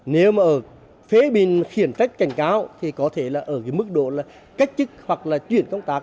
nếu mà phế bình khiển trách cảnh cáo thì có thể là ở cái mức độ là cách chức hoặc là chuyển công tác